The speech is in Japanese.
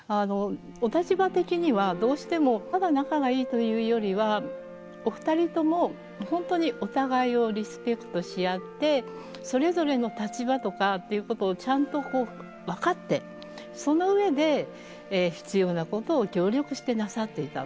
お立場的にはどうしてもただ仲がいいというよりはお二人とも本当にお互いをリスペクトし合ってそれぞれの立場とかっていうことをちゃんと分かってその上で必要なことを協力してなさっていた。